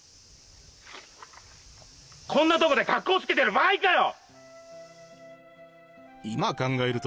こんなとこでかっこつけてる場合かよ！